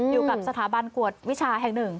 อยู่กับสถาบันกวดวิชาแห่งหนึ่ง